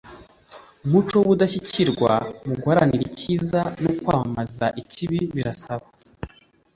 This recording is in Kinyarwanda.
umuco w ubudashyikirwa mu guharanira icyiza no kwamagana ikibi birasaba